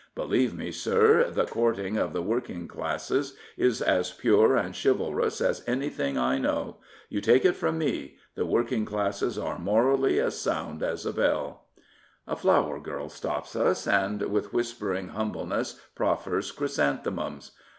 Believe me, sir, the courting of the working classes is as pure and chivalrous as anything I know. You take it from me — ^the working classes are morally as sound as a bell." A flower girl stops us, and with whispering humble^ ness proffers chrysanthemums.